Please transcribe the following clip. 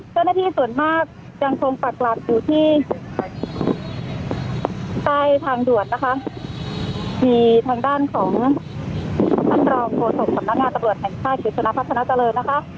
เจ้าหน้าที่ส่วนมากยังคงปักหลักอยู่ที่ใต้ทางด่วนนะคะมีทางด้านของท่านรองโฆษกสำนักงานตำรวจแห่งชาติกฤษณะพัฒนาเจริญนะคะ